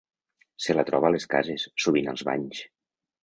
Se la troba a les cases, sovint als banys.